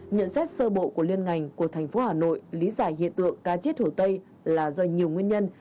nhận xét sơ bộ của liên ngành của thành phố hà nội lý giải hiện tượng cá chết hồ tây là do nhiều nguyên nhân